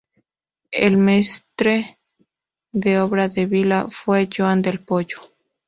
El mestre de obra de vila fue Joan del Poyo.